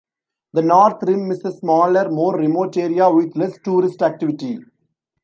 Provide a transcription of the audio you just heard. The North Rim is a smaller, more remote area with less tourist activity.